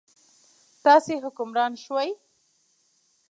تاسې حکمران شوئ.